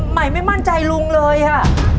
ใหม่ไม่มั่นใจลุงเลยอ่ะ